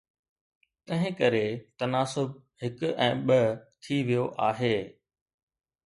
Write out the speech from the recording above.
تنهن ڪري، تناسب هڪ ۽ ٻه ٿي ويو آهي.